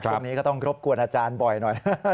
ช่วงนี้ก็ต้องรบกวนอาจารย์บ่อยหน่อย